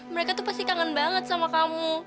mereka tuh pasti kangen banget sama kamu